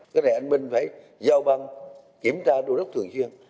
cái này anh minh phải giao băng kiểm tra đô đốc thường xuyên